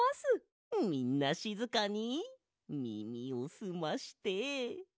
みんなしずかにみみをすまして。